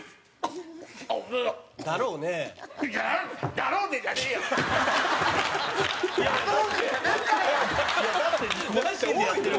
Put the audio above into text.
「だろうね」じゃねえよ！